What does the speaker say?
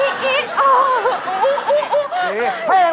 อีกอีกอีก